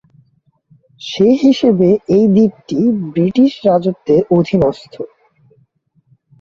সে হিসেবে এই দ্বীপটি ব্রিটিশ রাজত্বের অধীনস্থ।